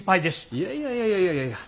いやいやいやいやいやいやいやいや。